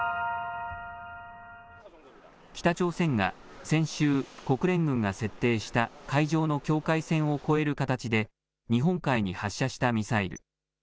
北朝鮮が先週、国連軍が設定した海上の境界線を越える形で、日本海に発射したミサイル。